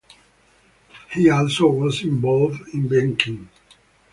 He also was involved in banking.